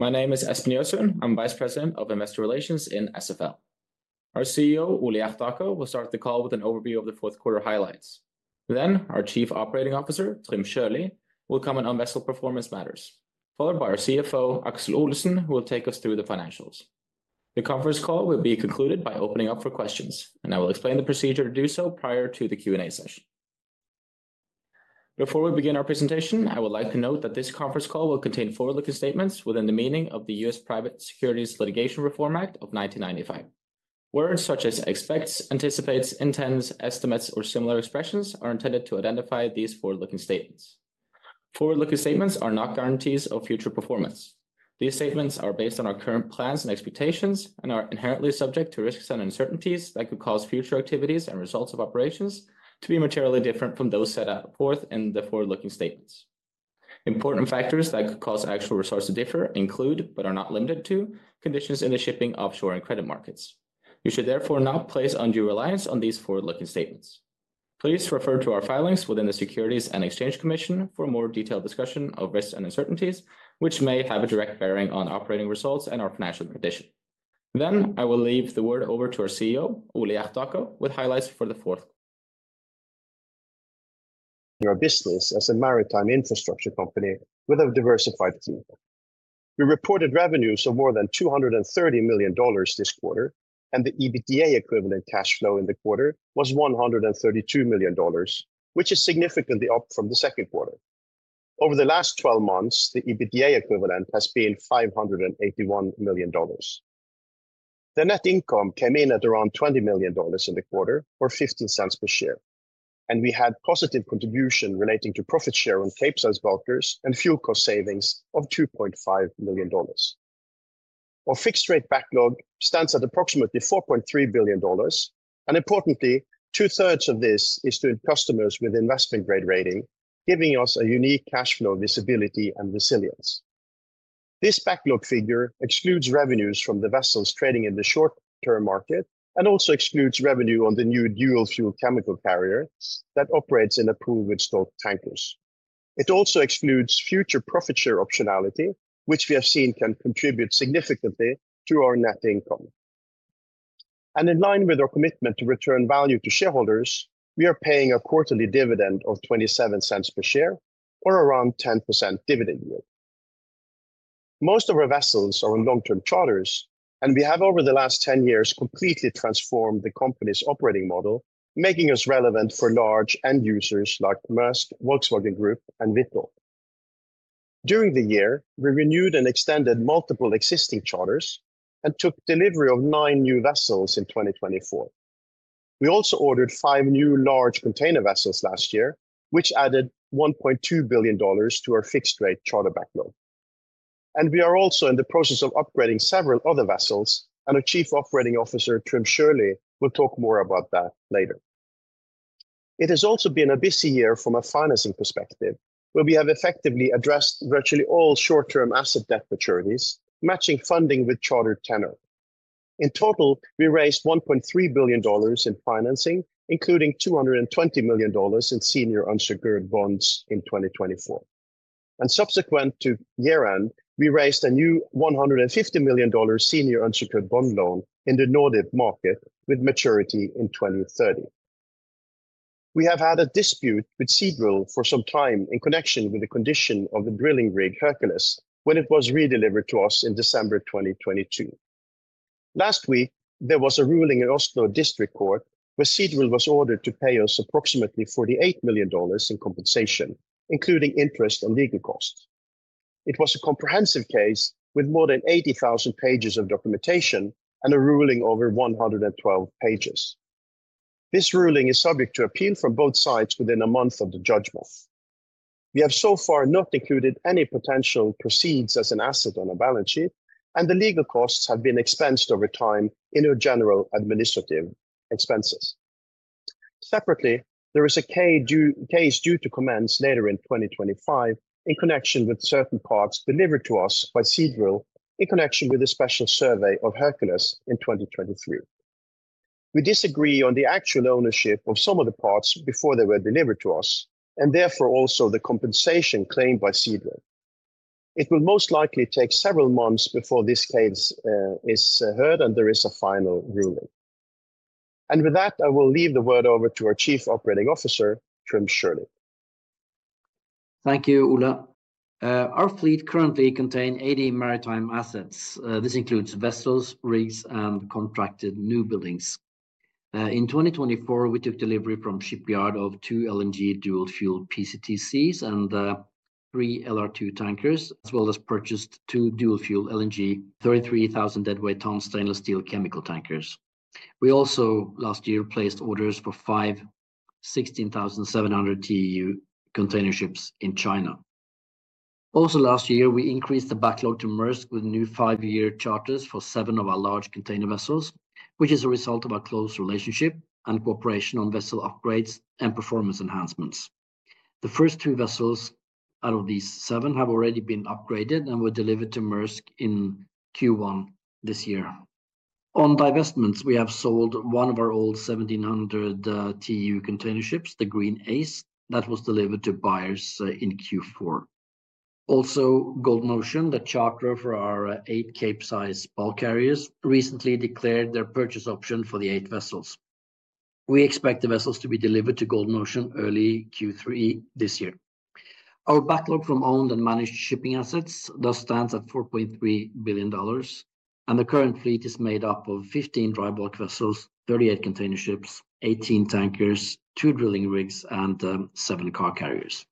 My name is Espen Gjøsund. I'm Vice President of Investor Relations in SFL. Our CEO, Ole Hjertaker, will start the call with an overview of the fourth quarter highlights. Then our Chief Operating Officer, Trym Sjølie, will comment on vessel performance matters, followed by our CFO, Aksel Olesen, who will take us through the financials. The conference call will be concluded by opening up for questions, and I will explain the procedure to do so prior to the Q&A session. Before we begin our presentation, I would like to note that this conference call will contain forward-looking statements within the meaning of the U.S. Private Securities Litigation Reform Act of 1995. Words such as expects, anticipates, intends, estimates, or similar expressions are intended to identify these forward-looking statements. Forward-looking statements are not guarantees of future performance. These statements are based on our current plans and expectations and are inherently subject to risks and uncertainties that could cause future activities and results of operations to be materially different from those set forth in the forward-looking statements. Important factors that could cause actual results to differ include, but are not limited to, conditions in the shipping, offshore, and credit markets. You should therefore not place undue reliance on these forward-looking statements. Please refer to our filings with the Securities and Exchange Commission for a more detailed discussion of risks and uncertainties, which may have a direct bearing on operating results and our financial condition. Then I will turn it over to our CEO, Ole Hjertaker, with highlights for the fourth quarter. We are a business as a maritime infrastructure company with a diversified team. We reported revenues of more than $230 million this quarter, and the EBITDA equivalent cash flow in the quarter was $132 million, which is significantly up from the second quarter. Over the last 12 months, the EBITDA equivalent has been $581 million. The net income came in at around $20 million in the quarter, or $0.15 per share, and we had positive contribution relating to profit share on Capesize bulkers and fuel cost savings of $2.5 million. Our fixed rate backlog stands at approximately $4.3 billion, and importantly, two-thirds of this is to customers with investment grade rating, giving us a unique cash flow visibility and resilience. This backlog figure excludes revenues from the vessels trading in the short-term market and also excludes revenue on the new dual fuel chemical carrier that operates in a pool with Stolt Tankers. It also excludes future profit share optionality, which we have seen can contribute significantly to our net income, and in line with our commitment to return value to shareholders, we are paying a quarterly dividend of $0.27 per share, or around 10% dividend yield. Most of our vessels are on long-term charters, and we have over the last 10 years completely transformed the company's operating model, making us relevant for large end users like Maersk, Volkswagen Group, and Vitol. During the year, we renewed and extended multiple existing charters and took delivery of nine new vessels in 2024. We also ordered five new large container vessels last year, which added $1.2 billion to our fixed rate charter backlog, and we are also in the process of upgrading several other vessels, and our Chief Operating Officer, Trym Sjølie, will talk more about that later. It has also been a busy year from a financing perspective, where we have effectively addressed virtually all short-term asset debt maturities, matching funding with chartered tenor. In total, we raised $1.3 billion in financing, including $220 million in senior unsecured bonds in 2024, and subsequent to year-end, we raised a new $150 million senior unsecured bond loan in the Nordic market with maturity in 2030. We have had a dispute with Seadrill for some time in connection with the condition of the drilling rig Hercules when it was redelivered to us in December 2022. Last week, there was a ruling in Oslo District Court where Seadrill was ordered to pay us approximately $48 million in compensation, including interest and legal costs. It was a comprehensive case with more than 80,000 pages of documentation and a ruling over 112 pages. This ruling is subject to appeal from both sides within a month of the judgment. We have so far not included any potential proceeds as an asset on a balance sheet, and the legal costs have been expensed over time in our general administrative expenses. Separately, there is a case due to commence later in 2025 in connection with certain parts delivered to us by Seadrill in connection with the special survey of Hercules in 2023. We disagree on the actual ownership of some of the parts before they were delivered to us, and therefore also the compensation claimed by Seadrill. It will most likely take several months before this case is heard and there is a final ruling. And with that, I will leave the word over to our Chief Operating Officer, Trym Sjølie. Thank you, Ole. Our fleet currently contains 80 maritime assets. This includes vessels, rigs, and contracted new buildings. In 2024, we took delivery from shipyard of two LNG dual fuel PCTCs and three LR2 tankers, as well as purchased two dual fuel LNG 33,000 deadweight tons stainless steel chemical tankers. We also last year placed orders for five 16,700 TEU container ships in China. Also last year, we increased the backlog to Maersk with new five-year charters for seven of our large container vessels, which is a result of our close relationship and cooperation on vessel upgrades and performance enhancements. The first two vessels out of these seven have already been upgraded and were delivered to Maersk in Q1 this year. On divestments, we have sold one of our old 1,700 TEU container ships, the Green Ace, that was delivered to buyers in Q4. Also, Golden Ocean, the charterer for our eight Capesize bulk carriers, recently declared their purchase option for the eight vessels. We expect the vessels to be delivered to Golden Ocean early Q3 this year. Our backlog from owned and managed shipping assets thus stands at $4.3 billion, and the current fleet is made up of 15 dry bulk vessels, 38 container ships, 18 tankers, two drilling rigs, and seven car carriers.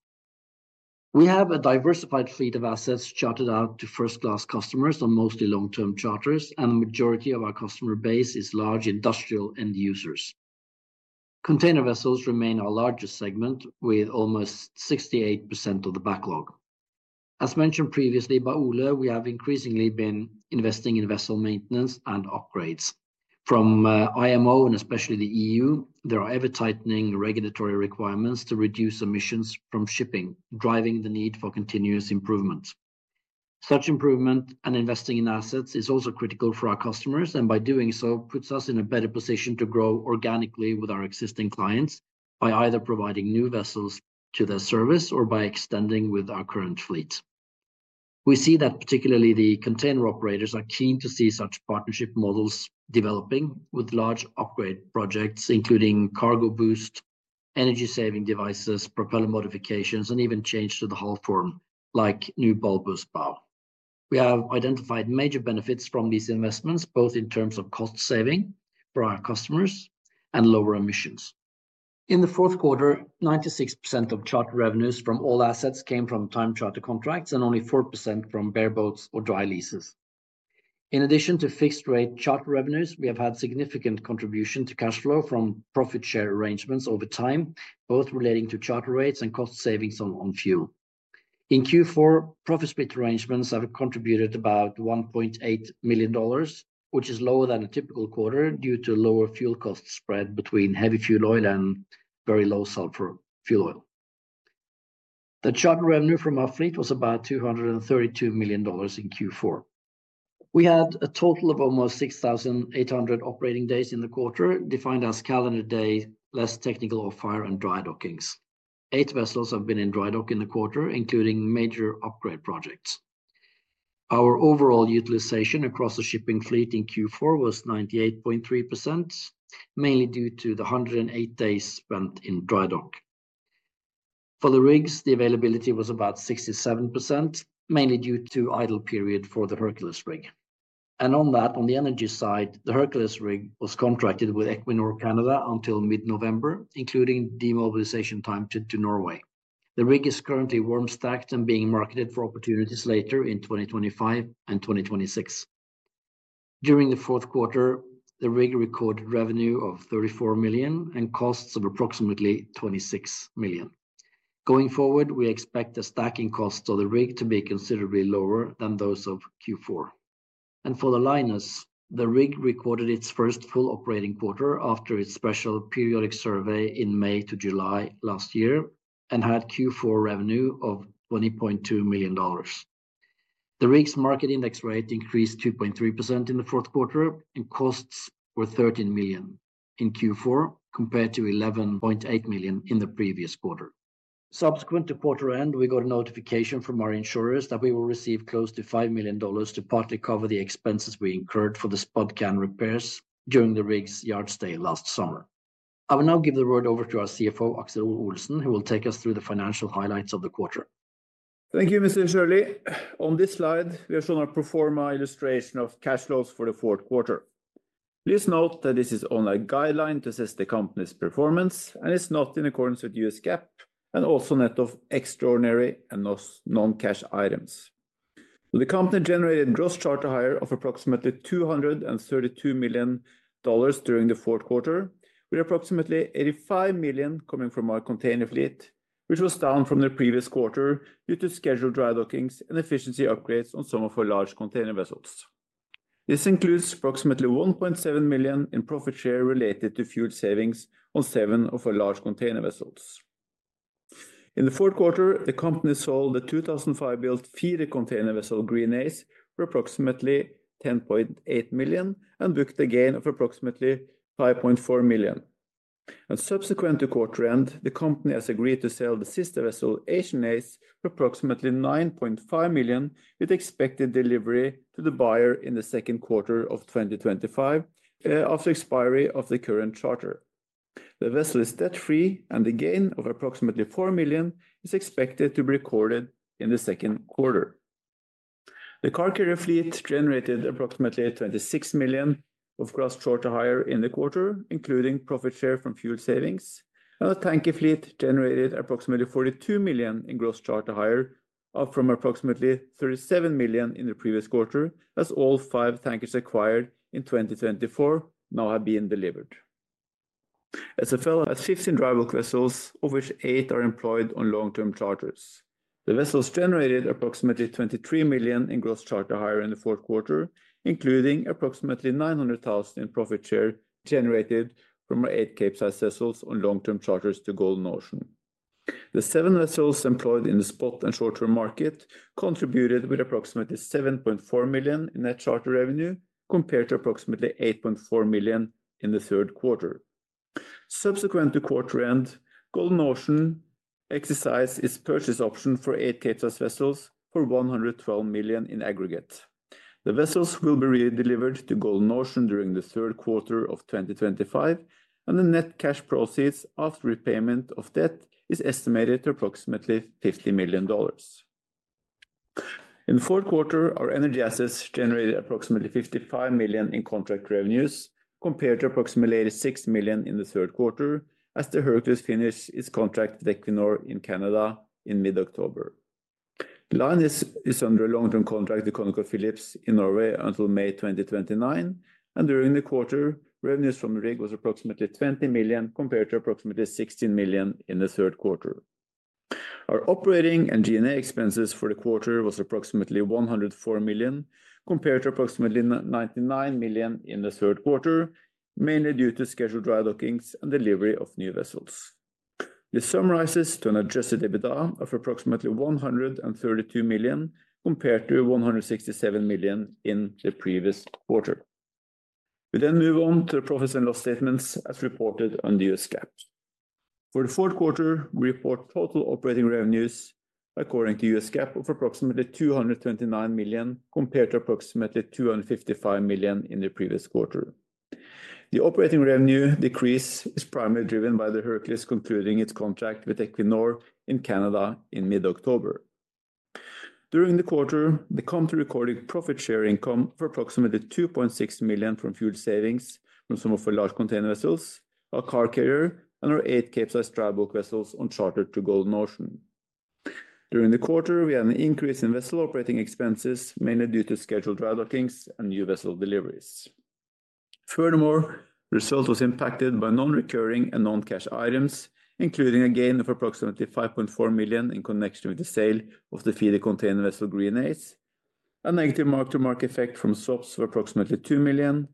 We have a diversified fleet of assets chartered out to first-class customers on mostly long-term charters, and the majority of our customer base is large industrial end users. Container vessels remain our largest segment, with almost 68% of the backlog. As mentioned previously by Ole, we have increasingly been investing in vessel maintenance and upgrades. From IMO and especially the EU, there are ever-tightening regulatory requirements to reduce emissions from shipping, driving the need for continuous improvement. Such improvement and investing in assets is also critical for our customers, and by doing so, puts us in a better position to grow organically with our existing clients by either providing new vessels to their service or by extending with our current fleet. We see that particularly the container operators are keen to see such partnership models developing with large upgrade projects, including cargo boost, energy-saving devices, propeller modifications, and even change to the hull form, like new bulbous bow. We have identified major benefits from these investments, both in terms of cost saving for our customers and lower emissions. In the fourth quarter, 96% of charter revenues from all assets came from time charter contracts and only 4% from bareboats or dry leases. In addition to fixed rate charter revenues, we have had significant contribution to cash flow from profit share arrangements over time, both relating to charter rates and cost savings on fuel. In Q4, profit share arrangements have contributed about $1.8 million, which is lower than a typical quarter due to lower fuel cost spread between Heavy Fuel Oil and Very Low Sulfur Fuel Oil. The charter revenue from our fleet was about $232 million in Q4. We had a total of almost 6,800 operating days in the quarter, defined as calendar days less technical or off-hire and dry dockings. Eight vessels have been in dry dock in the quarter, including major upgrade projects. Our overall utilization across the shipping fleet in Q4 was 98.3%, mainly due to the 108 days spent in dry dock. For the rigs, the availability was about 67%, mainly due to idle period for the Hercules rig. On that, on the energy side, the Hercules rig was contracted with Equinor Canada until mid-November, including demobilization time to Norway. The rig is currently warm stacked and being marketed for opportunities later in 2025 and 2026. During the fourth quarter, the rig recorded revenue of $34 million and costs of approximately $26 million. Going forward, we expect the stacking costs of the rig to be considerably lower than those of Q4. For the Linus, the rig recorded its first full operating quarter after its special periodic survey in May to July last year and had Q4 revenue of $20.2 million. The rig's market index rate increased 2.3% in the fourth quarter, and costs were $13 million in Q4 compared to $11.8 million in the previous quarter. Subsequent to quarter end, we got a notification from our insurers that we will receive close to $5 million to partly cover the expenses we incurred for the spud can repairs during the rig's yard stay last summer. I will now give the word over to our CFO, Aksel Olesen, who will take us through the financial highlights of the quarter. Thank you, Mr. Sjølie. On this slide, we have shown our pro forma illustration of cash flows for the fourth quarter. Please note that this is a guideline to assess the company's performance, and it's not in accordance with U.S. GAAP and also net of extraordinary and non-cash items. The company generated gross charter hire of approximately $232 million during the fourth quarter, with approximately $85 million coming from our container fleet, which was down from the previous quarter due to scheduled dry dockings and efficiency upgrades on some of our large container vessels. This includes approximately $1.7 million in profit share related to fuel savings on seven of our large container vessels. In the fourth quarter, the company sold the 2005-built feeder container vessel Green Ace for approximately $10.8 million and booked a gain of approximately $5.4 million. Subsequent to quarter end, the company has agreed to sell the sister vessel Asian Ace for approximately $9.5 million, with expected delivery to the buyer in the second quarter of 2025 after expiry of the current charter. The vessel is debt-free, and the gain of approximately $4 million is expected to be recorded in the second quarter. The car carrier fleet generated approximately $26 million of gross charter hire in the quarter, including profit share from fuel savings, and the tanker fleet generated approximately $42 million in gross charter hire from approximately $37 million in the previous quarter, as all five tankers acquired in 2024 now have been delivered. As for the fleet, there are ships in dry bulk vessels, of which eight are employed on long-term charters. The vessels generated approximately $23 million in gross charter hire in the fourth quarter, including approximately $900,000 in profit share generated from our eight Capesize vessels on long-term charters to Golden Ocean. The seven vessels employed in the spot and short-term market contributed with approximately $7.4 million in net charter revenue, compared to approximately $8.4 million in the third quarter. Subsequent to quarter end, Golden Ocean exercised its purchase option for eight Capesize vessels for $112 million in aggregate. The vessels will be redelivered to Golden Ocean during the third quarter of 2025, and the net cash proceeds after repayment of debt is estimated to approximately $50 million. In the fourth quarter, our energy assets generated approximately $55 million in contract revenues, compared to approximately $86 million in the third quarter, as the Hercules finished its contract with Equinor in Canada in mid-October. The Linus is under a long-term contract with ConocoPhillips in Norway until May 2029, and during the quarter, revenues from the rig was approximately $20 million compared to approximately $16 million in the third quarter. Our operating and G&A expenses for the quarter was approximately $104 million, compared to approximately $99 million in the third quarter, mainly due to scheduled dry dockings and delivery of new vessels. This sum rises to an adjusted EBITDA of approximately $132 million compared to $167 million in the previous quarter. We then move on to the profits and loss statements as reported on the U.S. GAAP. For the fourth quarter, we report total operating revenues according to U.S. GAAP of approximately $229 million compared to approximately $255 million in the previous quarter. The operating revenue decrease is primarily driven by the Hercules concluding its contract with Equinor in Canada in mid-October. During the quarter, the company recorded profit share income for approximately $2.6 million from fuel savings from some of our large container vessels, our car carrier, and our eight Capesize dry bulk vessels on charter to Golden Ocean. During the quarter, we had an increase in vessel operating expenses, mainly due to scheduled dry dockings and new vessel deliveries. Furthermore, the result was impacted by non-recurring and non-cash items, including a gain of approximately $5.4 million in connection with the sale of the feeder container vessel Green Ace, a negative mark-to-market effect from swaps of approximately $2 million,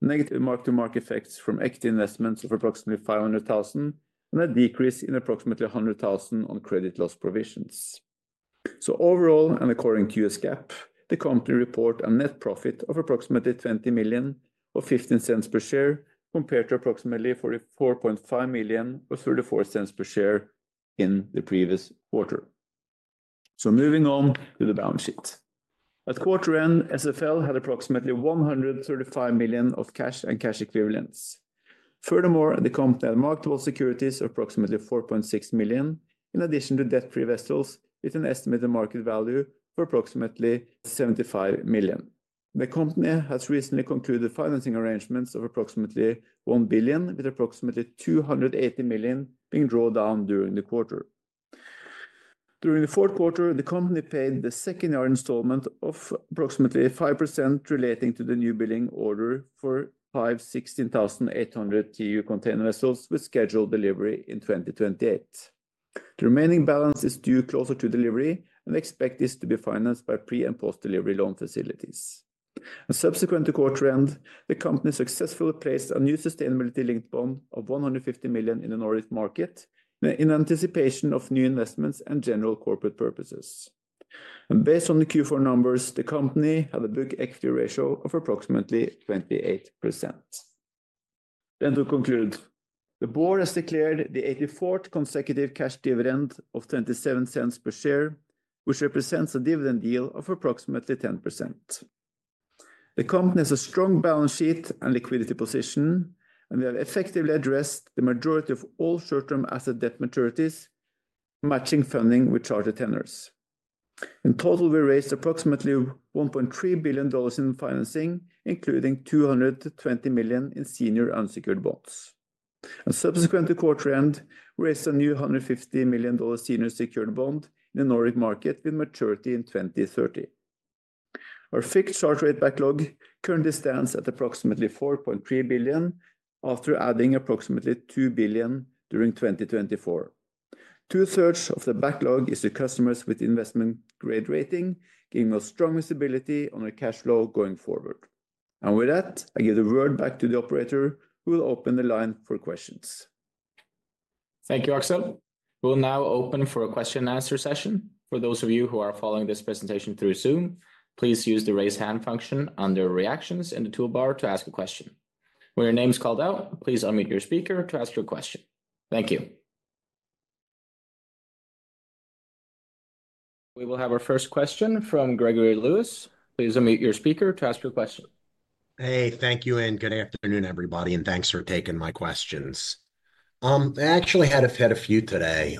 negative mark-to-market effects from equity investments of approximately $500,000, and a decrease in approximately $100,000 on credit loss provisions. So overall, and according to U.S. GAAP, the company reports a net profit of approximately $20 million or $0.15 per share compared to approximately $44.5 million or $0.34 per share in the previous quarter. So moving on to the balance sheet. At quarter end, SFL had approximately $135 million of cash and cash equivalents. Furthermore, the company had marketable securities of approximately $4.6 million, in addition to debt-free vessels, with an estimated market value for approximately $175 million. The company has recently concluded financing arrangements of approximately $1 billion, with approximately $280 million being drawn down during the quarter. During the fourth quarter, the company paid the second-year installment of approximately 5% relating to the newbuilding order for five 16,800 TEU container vessels with scheduled delivery in 2028. The remaining balance is due closer to delivery, and we expect this to be financed by pre- and post-delivery loan facilities. Subsequent to quarter end, the company successfully placed a new sustainability-linked bond of $150 million in the Nordic market in anticipation of new investments and general corporate purposes. Based on the Q4 numbers, the company had a book equity ratio of approximately 28%. To conclude, the board has declared the 84th consecutive cash dividend of $0.27 per share, which represents a dividend yield of approximately 10%. The company has a strong balance sheet and liquidity position, and we have effectively addressed the majority of all short-term asset debt maturities, matching funding with charter tenors. In total, we raised approximately $1.3 billion in financing, including $220 million in senior unsecured bonds. Subsequent to quarter end, we raised a new $150 million senior secured bond in the Nordic market with maturity in 2030. Our fixed charter rate backlog currently stands at approximately $4.3 billion after adding approximately $2 billion during 2024. Two-thirds of the backlog is to customers with investment-grade rating, giving us strong visibility on our cash flow going forward. And with that, I give the word back to the operator, who will open the line for questions. Thank you, Aksel. We'll now open for a question-and-answer session. For those of you who are following this presentation through Zoom, please use the raise hand function under reactions in the toolbar to ask a question. When your name is called out, please unmute your speaker to ask your question. Thank you. We will have our first question from Gregory Lewis. Please unmute your speaker to ask your question. Hey, thank you, and good afternoon, everybody, and thanks for taking my questions. I actually had a few today.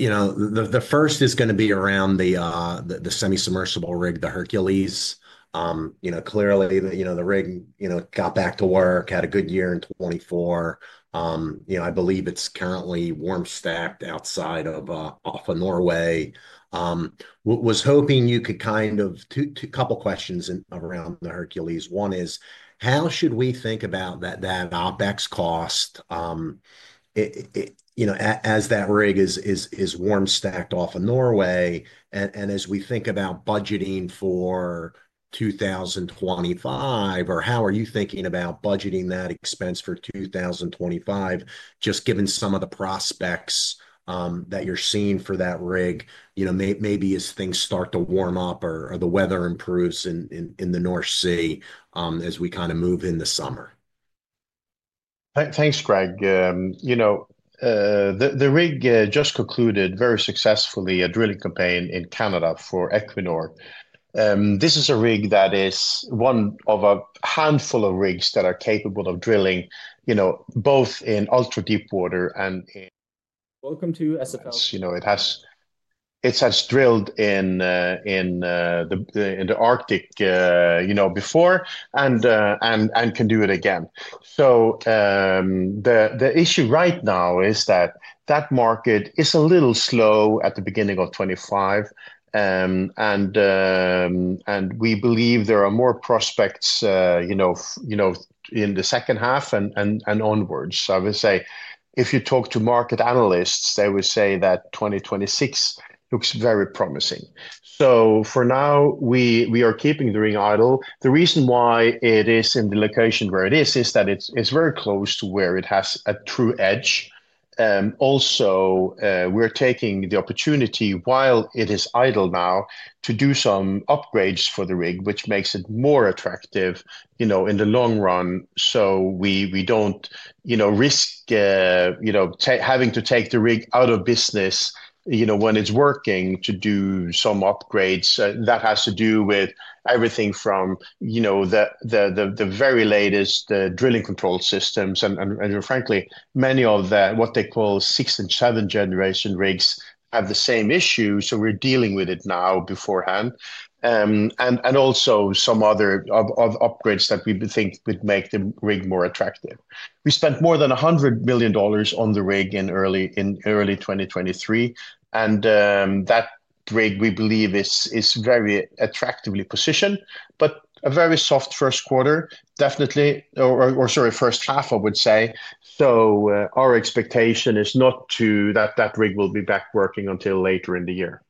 You know, the first is going to be around the semi-submersible rig, the Hercules. You know, clearly, you know, the rig, you know, got back to work, had a good year in 2024. You know, I believe it's currently warm stacked off of Norway. Was hoping you could kind of, a couple of questions around the Hercules. One is, how should we think about that OpEx cost, you know, as that rig is warm stacked off of Norway? As we think about budgeting for 2025, or how are you thinking about budgeting that expense for 2025, just given some of the prospects that you're seeing for that rig, you know, maybe as things start to warm up or the weather improves in the North Sea as we kind of move in the summer? Thanks, Greg. You know, the rig just concluded very successfully a drilling campaign in Canada for Equinor. This is a rig that is one of a handful of rigs that are capable of drilling, you know, both in ultra-deep water and in. Welcome to SFL. You know, it has drilled in the Arctic, you know, before and can do it again. So the issue right now is that that market is a little slow at the beginning of 2025, and we believe there are more prospects, you know, in the second half and onwards. So I would say, if you talk to market analysts, they would say that 2026 looks very promising. So for now, we are keeping the rig idle. The reason why it is in the location where it is is that it's very close to where it has a true edge. Also, we're taking the opportunity, while it is idle now, to do some upgrades for the rig, which makes it more attractive, you know, in the long run. So we don't, you know, risk, you know, having to take the rig out of business, you know, when it's working to do some upgrades. That has to do with everything from, you know, the very latest drilling control systems. And frankly, many of the, what they call sixth and seventh generation rigs have the same issue. So we're dealing with it now beforehand. And also some other upgrades that we think would make the rig more attractive. We spent more than $100 million on the rig in early 2023. And that rig, we believe, is very attractively positioned, but a very soft first quarter, definitely, or sorry, first half, I would say. So our expectation is not that rig will be back working until later in the year.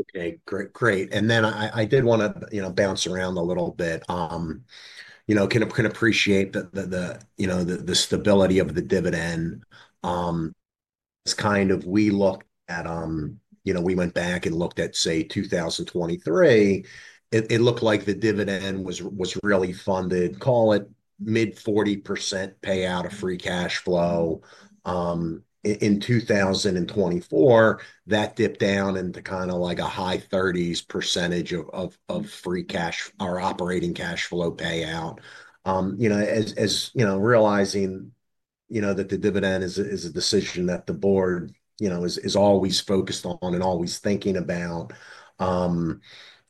Okay, great. And then I did want to, you know, bounce around a little bit. You know, can appreciate the, you know, the stability of the dividend. It's kind of, we looked at, you know, we went back and looked at, say, 2023. It looked like the dividend was really funded, call it mid-40% payout of free cash flow. In 2024, that dipped down into kind of like a high 30s% of free cash or operating cash flow payout. You know, as, you know, realizing, you know, that the dividend is a decision that the board, you know, is always focused on and always thinking about.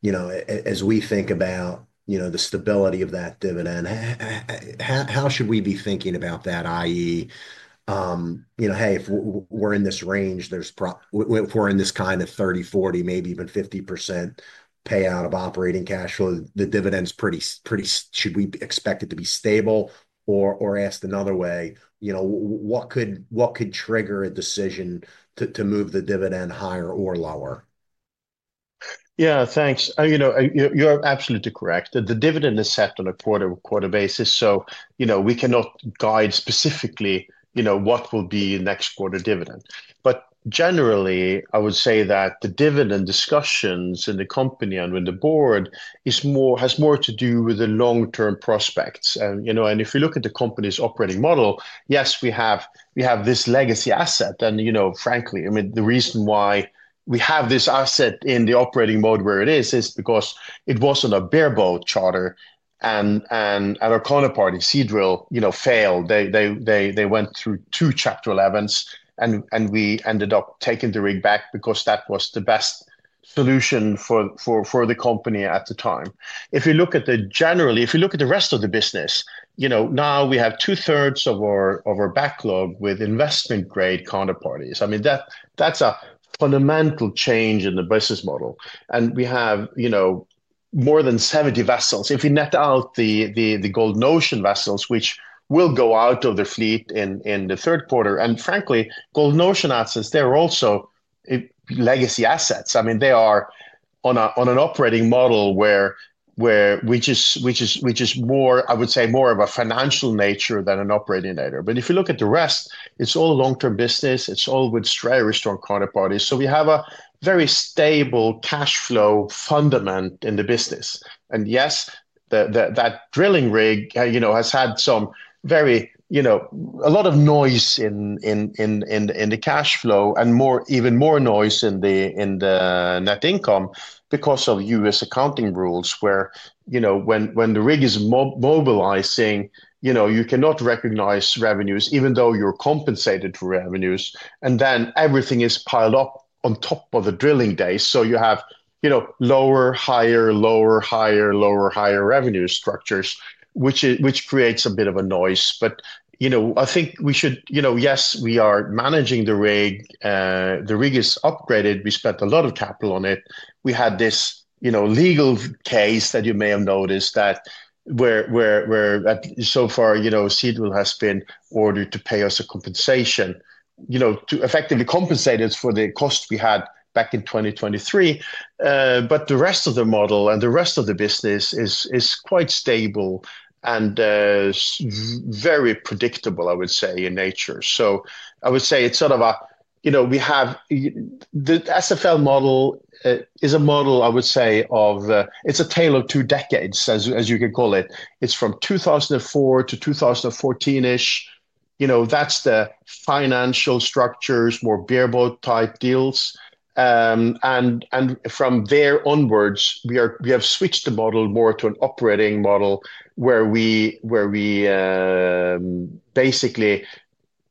You know, as we think about, you know, the stability of that dividend, how should we be thinking about that? I.e., you know, hey, if we're in this range, if we're in this kind of 30%, 40%, maybe even 50% payout of operating cash flow, the dividend's pretty, pretty. Should we expect it to be stable? Or asked another way, you know, what could trigger a decision to move the dividend higher or lower? Yeah, thanks. You know, you're absolutely correct. The dividend is set on a quarter-to-quarter basis. So, you know, we cannot guide specifically, you know, what will be next quarter dividend. But generally, I would say that the dividend discussions in the company and with the board is more, has more to do with the long-term prospects. And, you know, and if you look at the company's operating model, yes, we have this legacy asset. And, you know, frankly, I mean, the reason why we have this asset in the operating mode where it is, is because it wasn't a bareboat charter. And our counterparty, Seadrill, you know, failed. They went through two chapter 11s, and we ended up taking the rig back because that was the best solution for the company at the time. If you look at the rest of the business, generally, you know, now we have two-thirds of our backlog with investment-grade counterparties. I mean, that's a fundamental change in the business model, and we have, you know, more than 70 vessels. If you net out the Golden Ocean vessels, which will go out of the fleet in the third quarter, and frankly, Golden Ocean assets, they're also legacy assets. I mean, they are on an operating model which is more, I would say, of a financial nature than an operating nature. But if you look at the rest, it's all long-term business. It's all with very strong counterparties. So we have a very stable cash flow foundation in the business. And yes, that drilling rig, you know, has had some very, you know, a lot of noise in the cash flow and more, even more noise in the net income because of U.S. accounting rules where, you know, when the rig is mobilizing, you know, you cannot recognize revenues, even though you're compensated for revenues. And then everything is piled up on top of the drilling days. So you have, you know, lower, higher, lower, higher, lower, higher revenue structures, which creates a bit of a noise. But, you know, I think we should, you know, yes, we are managing the rig. The rig is upgraded. We spent a lot of capital on it. We had this, you know, legal case that you may have noticed that we're at so far, you know, Seadrill has been ordered to pay us a compensation, you know, to effectively compensate us for the cost we had back in 2023. But the rest of the model and the rest of the business is quite stable and very predictable, I would say, in nature. So I would say it's sort of a, you know, we have the SFL model is a model, I would say, of, it's a tale of two decades, as you can call it. It's from 2004 to 2014-ish. You know, that's the financial structures, more bareboat-type deals. And from there onwards, we have switched the model more to an operating model where we basically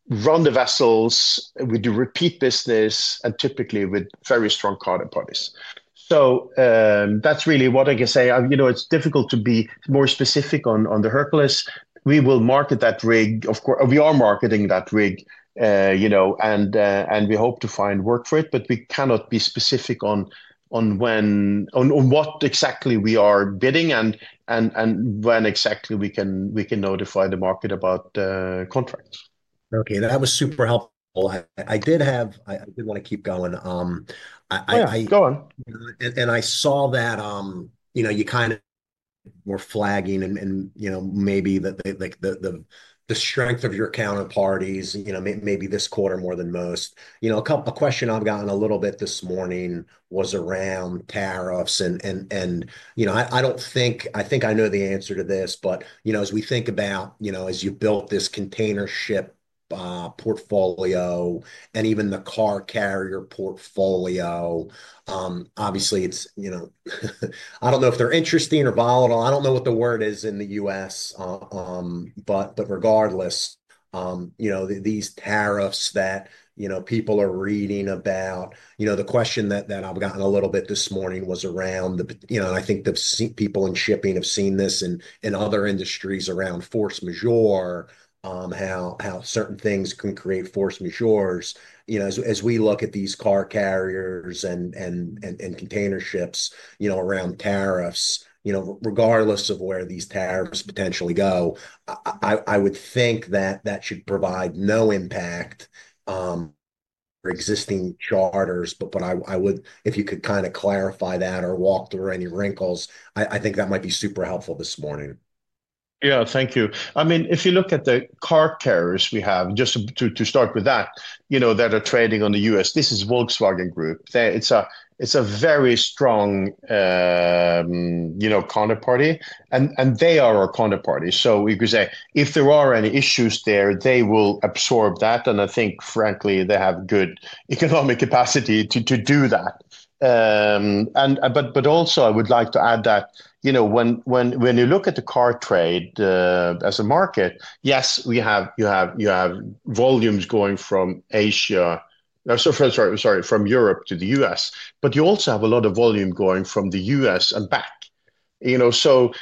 run the vessels with the repeat business and typically with very strong counterparties. So that's really what I can say. You know, it's difficult to be more specific on the Hercules. We will market that rig, of course, we are marketing that rig, you know, and we hope to find work for it, but we cannot be specific on what exactly we are bidding and when exactly we can notify the market about contracts. Okay, that was super helpful. I did have, I did want to keep going. Yeah, go on. I saw that, you know, you kind of were flagging and, you know, maybe the strength of your counterparties, you know, maybe this quarter more than most. You know, a question I've gotten a little bit this morning was around tariffs. And, you know, I don't think, I think I know the answer to this, but, you know, as we think about, you know, as you've built this container ship portfolio and even the car carrier portfolio, obviously it's, you know, I don't know if they're interesting or volatile. I don't know what the word is in the U.S., but regardless, you know, these tariffs that, you know, people are reading about, you know, the question that I've gotten a little bit this morning was around, you know, and I think the people in shipping have seen this in other industries around force majeure, how certain things can create force majeure. You know, as we look at these car carriers and container ships, you know, around tariffs, you know, regardless of where these tariffs potentially go, I would think that that should provide no impact for existing charters. But I would, if you could kind of clarify that or walk through any wrinkles, I think that might be super helpful this morning. Yeah, thank you. I mean, if you look at the car carriers we have, just to start with that, you know, that are trading on the U.S., this is Volkswagen Group. It's a very strong, you know, counterparty. And they are our counterparty. So we could say if there are any issues there, they will absorb that. And I think, frankly, they have good economic capacity to do that. But also I would like to add that, you know, when you look at the car trade as a market, yes, we have volumes going from Asia, sorry, from Europe to the U.S. But you also have a lot of volume going from the U.S. and back. You know, so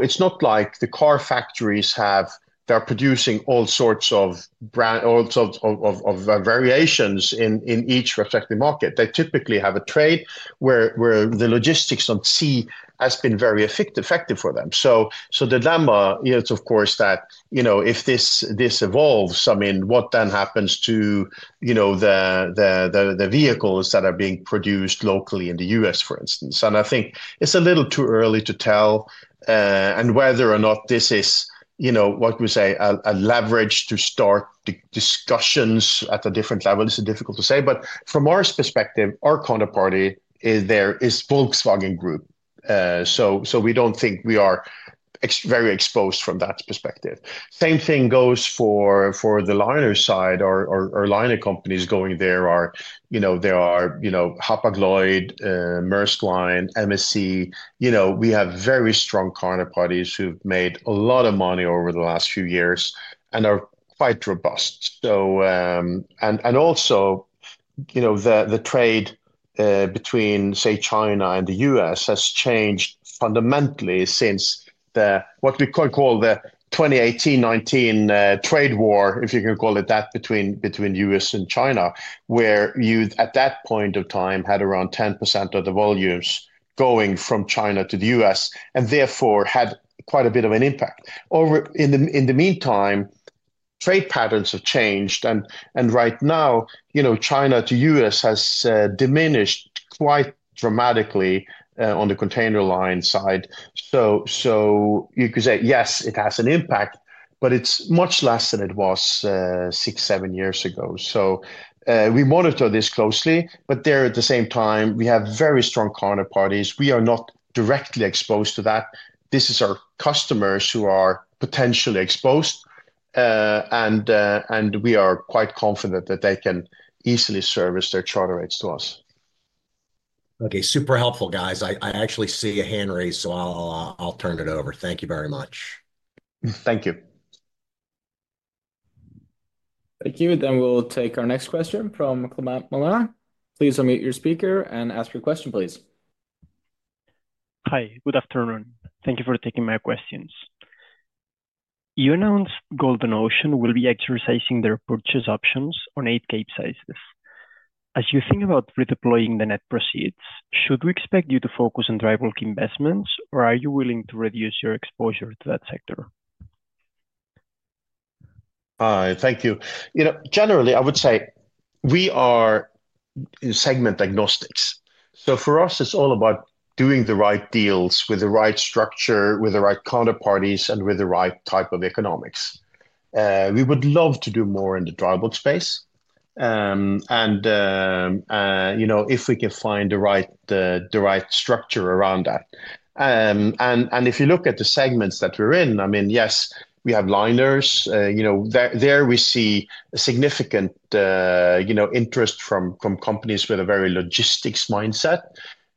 it's not like the car factories have, they're producing all sorts of variations in each respective market. They typically have a trade where the logistics on sea has been very effective for them. So the dilemma is, of course, that, you know, if this evolves, I mean, what then happens to, you know, the vehicles that are being produced locally in the U.S., for instance? And I think it's a little too early to tell. And whether or not this is, you know, what we say, a leverage to start discussions at a different level is difficult to say. But from our perspective, our counterparty there is Volkswagen Group. So we don't think we are very exposed from that perspective. Same thing goes for the liner side or liner companies going there. You know, there are Hapag-Lloyd, Maersk Line, MSC. You know, we have very strong counterparties who've made a lot of money over the last few years and are quite robust. And also, you know, the trade between, say, China and the US has changed fundamentally since what we could call the 2018-19 trade war, if you can call it that, between the US and China, where you at that point of time had around 10% of the volumes going from China to the US and therefore had quite a bit of an impact. In the meantime, trade patterns have changed. And right now, you know, China to US has diminished quite dramatically on the container line side. So you could say, yes, it has an impact, but it's much less than it was six, seven years ago. So we monitor this closely, but there at the same time, we have very strong counterparties. We are not directly exposed to that. This is our customers who are potentially exposed. We are quite confident that they can easily service their charter rates to us. Okay, super helpful, guys. I actually see a hand raised, so I'll turn it over. Thank you very much. Thank you. Thank you. Then we'll take our next question from Climent Molins. Please unmute your speaker and ask your question, please. Hi, good afternoon. Thank you for taking my questions. You announced Golden Ocean will be exercising their purchase options on eight Capesizes. As you think about redeploying the net proceeds, should we expect you to focus on dry bulk investments or are you willing to reduce your exposure to that sector? Thank you. You know, generally, I would say we are segment agnostics. So for us, it's all about doing the right deals with the right structure, with the right counterparties, and with the right type of economics. We would love to do more in the dry bulk space, and, you know, if we can find the right structure around that. And if you look at the segments that we're in, I mean, yes, we have liners. You know, there we see a significant, you know, interest from companies with a very logistics mindset.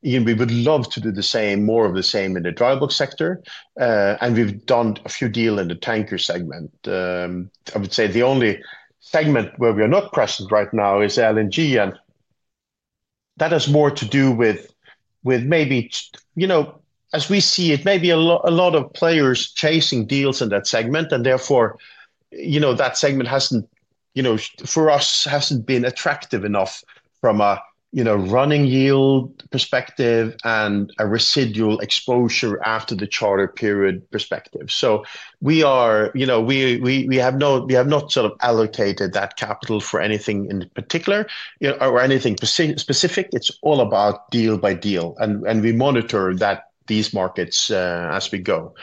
We would love to do the same, more of the same in the dry bulk sector, and we've done a few deals in the tanker segment. I would say the only segment where we are not present right now is LNG. And that has more to do with maybe, you know, as we see it, maybe a lot of players chasing deals in that segment. And therefore, you know, that segment hasn't, you know, for us, hasn't been attractive enough from a, you know, running yield perspective and a residual exposure after the charter period perspective. So we are, you know, we have not sort of allocated that capital for anything in particular or anything specific. It's all about deal by deal. And we monitor these markets as we go.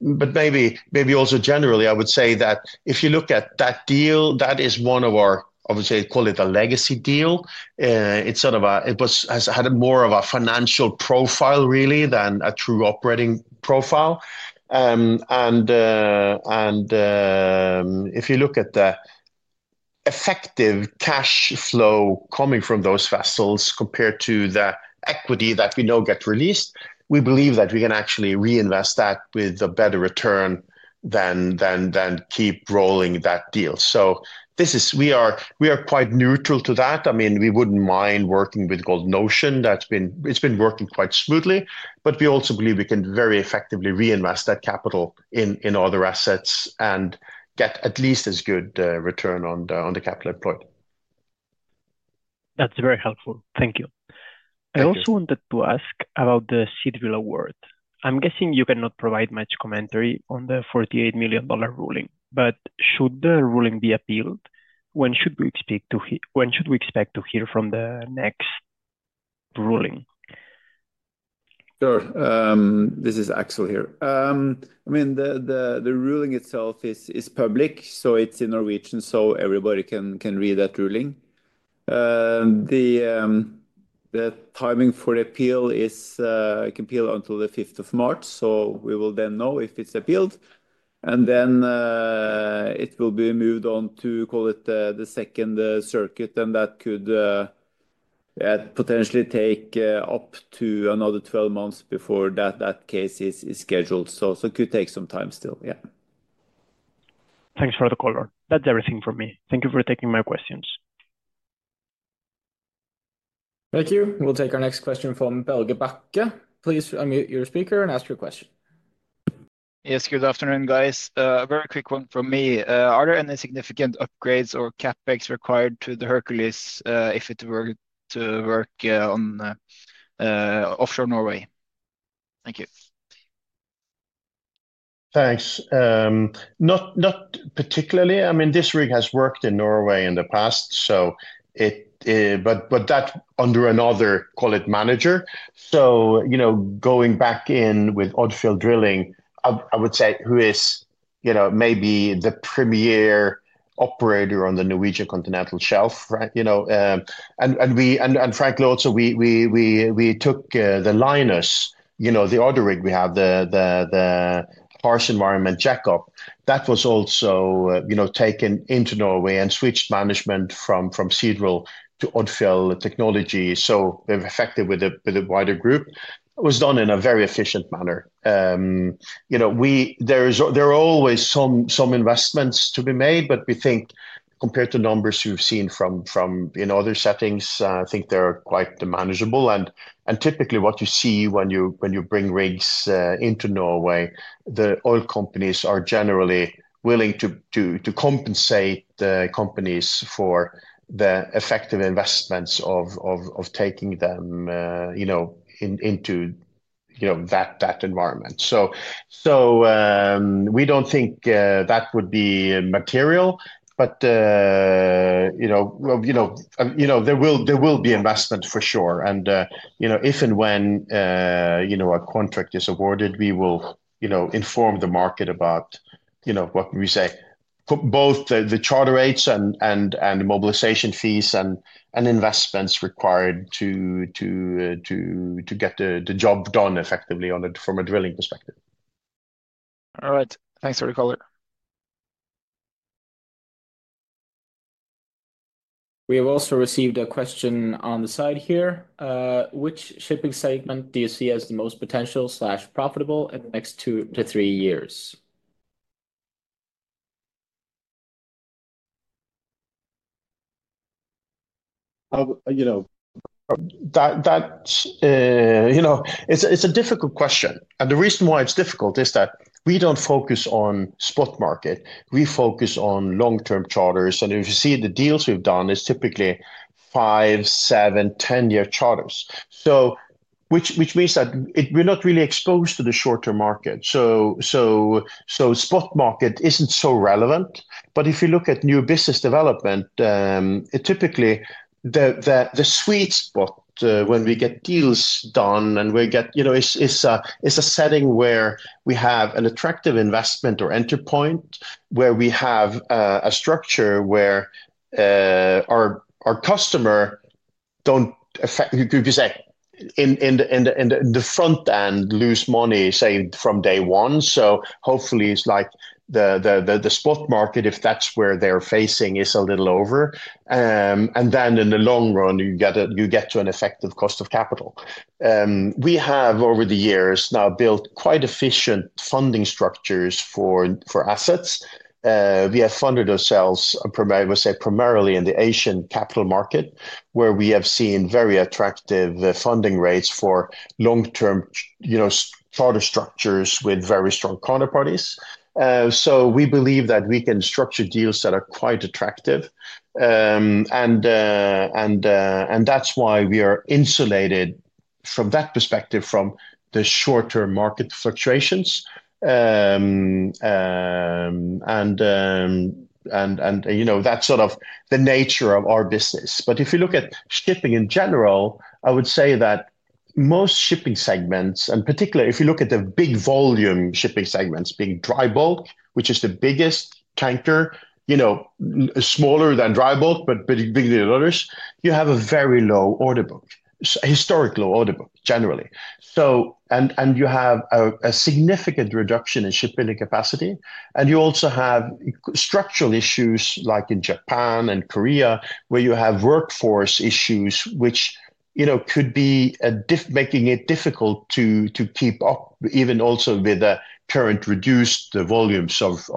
But maybe also generally, I would say that if you look at that deal, that is one of our, I would say, call it a legacy deal. It's sort of a, it has had more of a financial profile really than a true operating profile. If you look at the effective cash flow coming from those vessels compared to the equity that we know gets released, we believe that we can actually reinvest that with a better return than keep rolling that deal. This is, we are quite neutral to that. I mean, we wouldn't mind working with Golden Ocean. It's been working quite smoothly. We also believe we can very effectively reinvest that capital in other assets and get at least as good return on the capital employed. That's very helpful. Thank you. I also wanted to ask about the Seadrill award. I'm guessing you cannot provide much commentary on the $48 million ruling. But should the ruling be appealed? When should we expect to hear from the next ruling? Sure. This is Aksel here. I mean, the ruling itself is public, so it's in Norwegian, so everybody can read that ruling. The timing for the appeal is, it can appeal until the 5th of March, so we will then know if it's appealed, and then it will be moved on to, call it the second circuit, and that could potentially take up to another 12 months before that case is scheduled, so it could take some time still. Yeah. Thanks for the call. That's everything from me. Thank you for taking my questions. Thank you. We'll take our next question from Børge Bakke. Please unmute your speaker and ask your question. Yes, good afternoon, guys. A very quick one from me. Are there any significant upgrades or CapEx required to the Hercules if it were to work on offshore Norway? Thank you. Thanks. Not particularly. I mean, this rig has worked in Norway in the past. But that under another, call it manager. So, you know, going back in with Odfjell Drilling, I would say who is, you know, maybe the premier operator on the Norwegian continental shelf, right? You know, and frankly also, we took the Linus, you know, the other rig we have, the Harsh Environment jack-up, that was also, you know, taken into Norway and switched management from Seadrill to Odfjell Technology. So effective with a wider group. It was done in a very efficient manner. You know, there are always some investments to be made, but we think compared to numbers you've seen from other settings, I think they're quite manageable. Typically what you see when you bring rigs into Norway, the oil companies are generally willing to compensate the companies for the effective investments of taking them, you know, into that environment. We don't think that would be material. You know, you know, there will be investment for sure. You know, if and when, you know, a contract is awarded, we will, you know, inform the market about, you know, what we say, both the charter rates and mobilization fees and investments required to get the job done effectively from a drilling perspective. All right. Thanks for the caller. We have also received a question on the side here. Which shipping segment do you see as the most potential slash profitable in the next two to three years? You know, you know, it's a difficult question, and the reason why it's difficult is that we don't focus on spot market. We focus on long-term charters, and if you see the deals we've done, it's typically five, seven, 10-year charters, so which means that we're not really exposed to the short-term market, so spot market isn't so relevant, but if you look at new business development, typically the sweet spot when we get deals done, you know, it's a setting where we have an attractive investment or entry point where we have a structure where our customer don't, could you say, in the front end lose money, say, from day one, so hopefully it's like the spot market, if that's where they're facing, is a little over, and then in the long run, you get to an effective cost of capital. We have over the years now built quite efficient funding structures for assets. We have funded ourselves, I would say, primarily in the Asian capital market, where we have seen very attractive funding rates for long-term, you know, charter structures with very strong counterparties. So we believe that we can structure deals that are quite attractive. And that's why we are insulated from that perspective from the short-term market fluctuations. And, you know, that's sort of the nature of our business. But if you look at shipping in general, I would say that most shipping segments, and particularly if you look at the big volume shipping segments, being dry bulk, which is the biggest tanker, you know, smaller than dry bulk, but bigger than others, you have a very low order book, historic low order book generally. So, and you have a significant reduction in shipping capacity. You also have structural issues like in Japan and Korea, where you have workforce issues, which, you know, could be making it difficult to keep up even also with the current reduced volumes of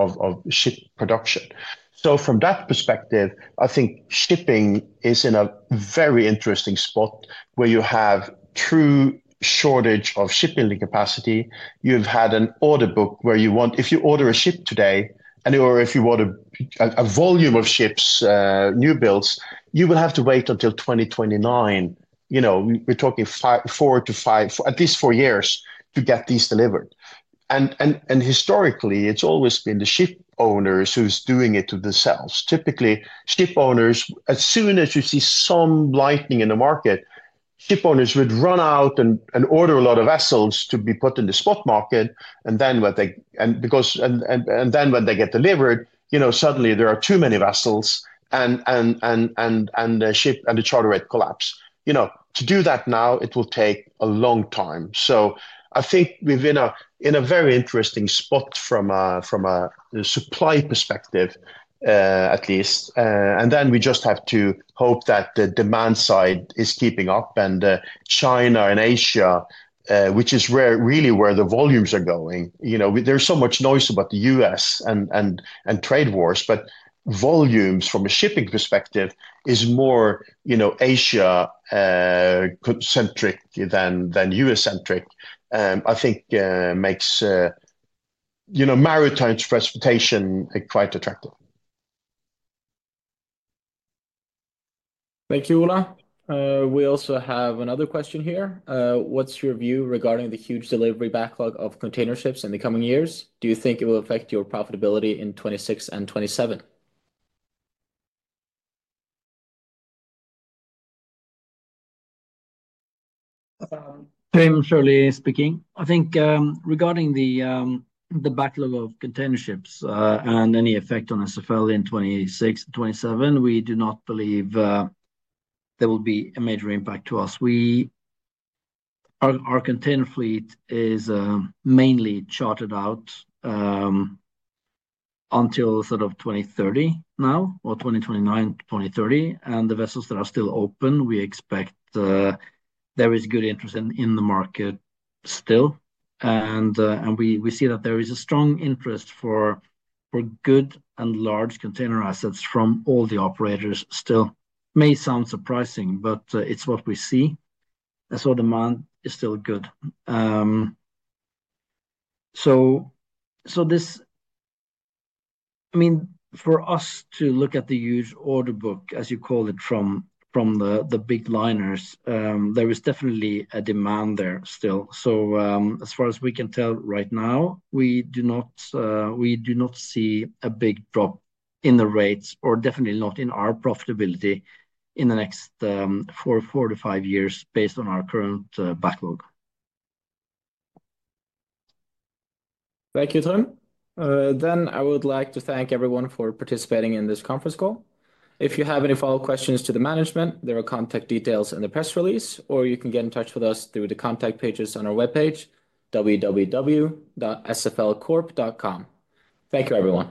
ship production. So from that perspective, I think shipping is in a very interesting spot where you have true shortage of shipping capacity. You've had an order book where you want, if you order a ship today, or if you order a volume of ships, new builds, you will have to wait until 2029. You know, we're talking four to five, at least four years to get these delivered. And historically, it's always been the ship owners who's doing it to themselves. Typically, ship owners, as soon as you see some lightning in the market, ship owners would run out and order a lot of vessels to be put in the spot market. And then when they get delivered, you know, suddenly there are too many vessels and the ship and the charter rate collapse. You know, to do that now, it will take a long time. So I think we've been in a very interesting spot from a supply perspective, at least. And then we just have to hope that the demand side is keeping up. And China and Asia, which is really where the volumes are going, you know, there's so much noise about the U.S. and trade wars. But volumes from a shipping perspective is more, you know, Asia-centric than U.S.-centric. I think makes, you know, maritime transportation quite attractive. Thank you, Ole. We also have another question here. What's your view regarding the huge delivery backlog of container ships in the coming years? Do you think it will affect your profitability in 2026 and 2027? I think regarding the backlog of container ships and any effect on SFL in 2026 and 2027, we do not believe there will be a major impact to us. Our container fleet is mainly chartered out until sort of 2030 now or 2029, 2030. And the vessels that are still open, we expect there is good interest in the market still. And we see that there is a strong interest for good and large container assets from all the operators still. May sound surprising, but it's what we see. So demand is still good. So this, I mean, for us to look at the huge order book, as you call it, from the big liners, there is definitely a demand there still. As far as we can tell right now, we do not see a big drop in the rates or definitely not in our profitability in the next four to five years based on our current backlog. Thank you, Trym. Then I would like to thank everyone for participating in this conference call. If you have any follow-up questions to the management, there are contact details in the press release, or you can get in touch with us through the contact pages on our webpage, www.sflcorp.com. Thank you, everyone.